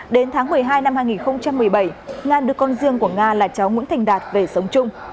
đến tháng một mươi hai năm hai nghìn một mươi bảy nga đưa con riêng của nga là cháu nguyễn thành đạt về sống chung